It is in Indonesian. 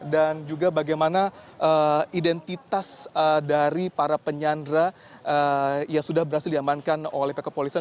dan juga bagaimana identitas dari para penyandra yang sudah berhasil diamankan oleh pihak kepolisian